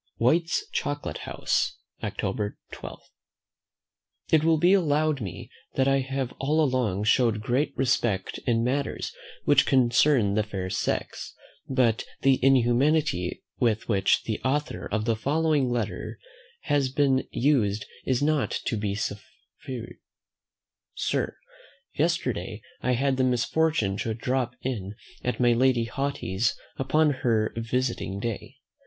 White's Chocolate House, October 12. It will be allowed me that I have all along showed great respect in matters which concern the fair sex; but the inhumanity with which the author of the following letter has been used is not to be suffered: "Sir, "Yesterday I had the misfortune to drop in at my Lady Haughty's upon her visiting day.